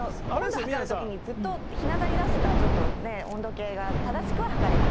測るときにずっとひなたに出してたら、温度計が正しくは測れない。